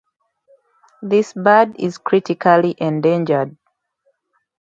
This bird is critically endangered.